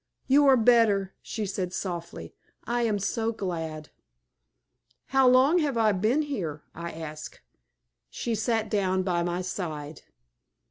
"You are better," she said, softly. "I am so glad." "How long have I been here?" I asked. She sat down by my side.